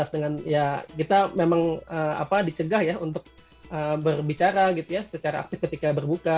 dengan ya kita memang dicegah ya untuk berbicara gitu ya secara aktif ketika berbuka